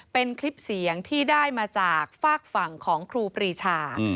เป็นคลิปเสียงที่ได้มาจากฝากฝั่งของครูปรีชา